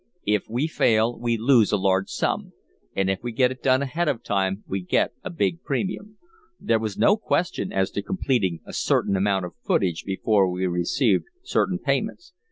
"If we fail, we lose a large sum, and if we get it done ahead of time we get a big premium. There was no question as to completing a certain amount of footage before we received certain payments.